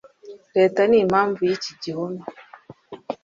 leta n'impamvu y'iki gihome